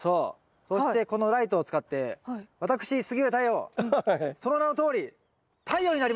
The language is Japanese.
そしてこのライトを使って私杉浦太陽その名のとおりお！